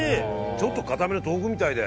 ちょっと硬めの豆腐みたいで。